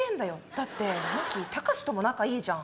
だって麻貴タカシとも仲いいじゃん。